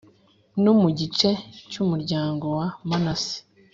no mu gice cy umuryango wa Manase